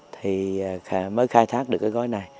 thì mới khai thác được cái gói này